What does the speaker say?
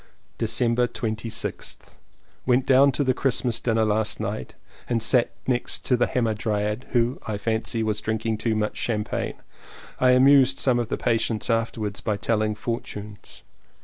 December 26th. Went down to the Christmas dinner last night and sat next the Hamadryad, who, I fancy, was drinking too much cham pagne. I amused some of the patients afterwards by telling fortunes.